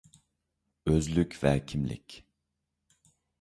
ئۆزلۈك ۋە كىملىك